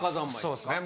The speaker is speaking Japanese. そうっすね。